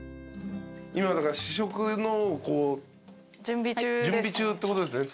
今だから試食の準備中ってことですね。